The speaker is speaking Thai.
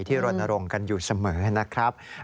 ที่ลนลงกันอยู่เสมอนะครับ